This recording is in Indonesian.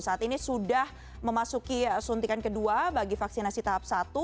saat ini sudah memasuki suntikan kedua bagi vaksinasi tahap satu